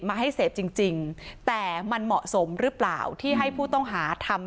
มาให้เสพจริงจริงแต่มันเหมาะสมหรือเปล่าที่ให้ผู้ต้องหาทำ